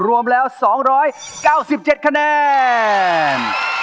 รวมแล้ว๒๙๗คะแนน